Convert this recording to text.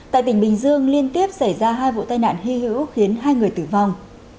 tại tỉnh bình dương liên tiếp xảy ra hai vụ tai nạn hy hữu khiến hai người tử vong